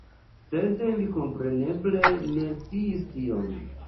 Sed ili kompreneble ne sciis tion.